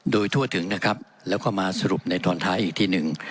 โดยทั่วถึงนะครับแล้วก็มาสรุปในตอนท้ายอีกทีหนึ่ง